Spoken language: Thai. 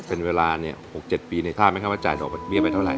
เป็นเวลาเนี่ยหกเจ็ดปีในท่าไหมคะว่าจ่ายดอกเมียไปเท่าไร